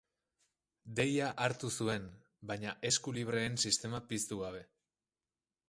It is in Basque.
Deia hartu zuen, baina esku libreen sistema piztu gabe.